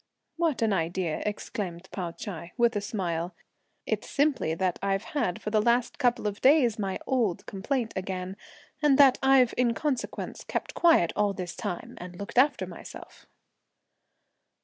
"What an idea!" exclaimed Pao Ch'ai, with a smile. "It's simply that I've had for the last couple of days my old complaint again, and that I've in consequence kept quiet all this time, and looked after myself."